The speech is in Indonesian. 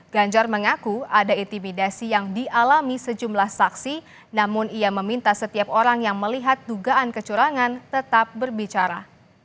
ganjar mengaku ada intimidasi yang dialami sejumlah saksi namun ia meminta setiap orang yang melihat dugaan kecurangan tetap berbicara